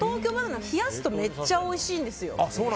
奈って冷やすとめっちゃおいしいんですよ。